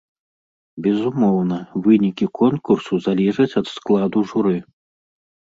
Безумоўна, вынікі конкурсу залежаць ад складу журы.